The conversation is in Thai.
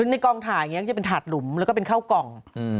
ในกองถ่ายอย่างนี้จะเป็นถาดหลุมแล้วก็เป็นข้าวกล่อง